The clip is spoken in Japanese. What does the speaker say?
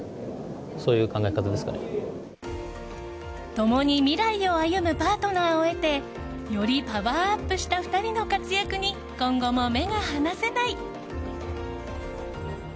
共に未来を歩むパートナーを得てよりパワーアップした２人の活躍に今後も目が離せない。